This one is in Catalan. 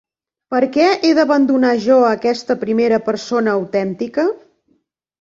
Per què he d’abandonar jo aquesta primera persona autèntica?